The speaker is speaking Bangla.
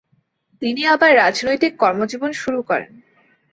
তিনি আবার রাজনৈতিক কর্মজীবন শুরু করেন।